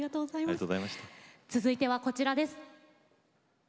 続いてはこちらです。